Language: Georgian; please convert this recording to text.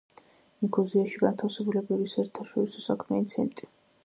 ნიქოზიაში განთავსებულია ბევრი საერთაშორისო საქმიანი ცენტი.